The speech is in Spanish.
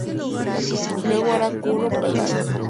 Luego hará "Curro Peláez".